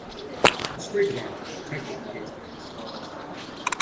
A strake of armor protected the casemates.